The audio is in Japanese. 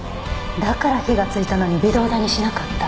だから火がついたのに微動だにしなかった。